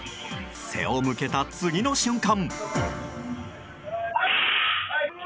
背を向けた次の瞬間。